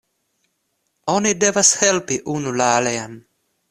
Oni devas helpi unu la alian.